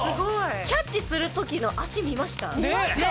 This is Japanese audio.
キャッチする時の見ました。